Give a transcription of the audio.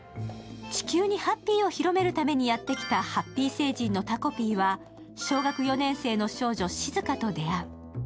地球にハッピーを広めるためにやってきたハッピー星人のタコピーは小学４年生の少女・しずかと出会う。